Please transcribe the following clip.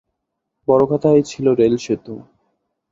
বড়খাতায় ছিলো রেলসেতু।